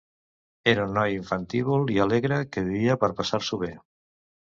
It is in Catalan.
Era un noi infantívol i alegre que vivia per passar-s'ho bé.